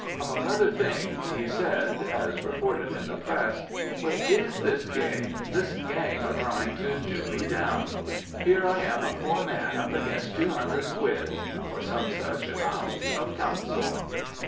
Among other things he said, as reported in the press: "What is this game? This gang are trying to do me down. Here I am a poor man up against two hundred quid (or some such amount) of counsel."